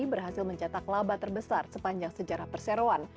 berhasil mencetak laba terbesar sepanjang sejarah perseroan